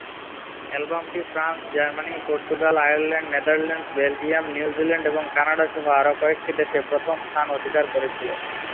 অ্যালবামটি France, Germany, Portugal, Ireland, Netherlands, Belgium, New Zealand, এবং Canada সহ আরও কয়েকটি দেশে প্রথম স্থান অধিকার করেছিল।